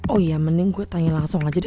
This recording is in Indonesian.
oh ya mending gue tanya langsung aja deh